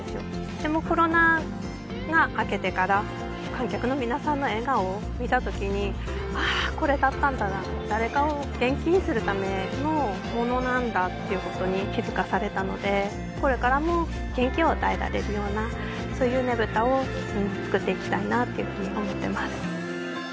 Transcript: でもコロナが明けてから観客の皆さんの笑顔を見たときにああこれだったんだな誰かを元気にするためのものなんだっていうことに気付かされたのでこれからも元気を与えられるようなそういうねぶたをうん作っていきたいなっていうふうに思ってます